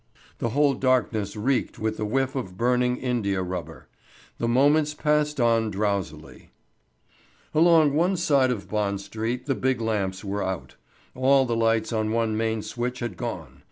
The whole darkness reeked with the whiff of burning indiarubber. The moments passed on drowsily. Along one side of Bond Street the big lamps were out. All the lights on one main switch had gone.